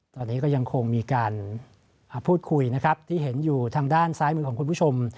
ตอนนี้ก็ยังคงมีการพูดคุยนะครับที่เห็นอยู่ทางด้านซ้ายมือของคุณผู้ชม